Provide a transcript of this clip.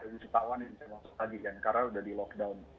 itu akan ada yang bisa tahu lagi karena sudah di lockdown